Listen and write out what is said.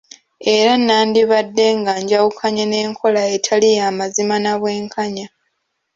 Era nandibadde nga njawukanye n’enkola etali y'amazima na bwenkanya.